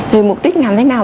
rồi mục đích làm thế nào